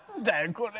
これ！